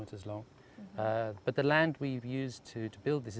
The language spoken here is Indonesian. tapi tanah yang kami gunakan untuk membangun ini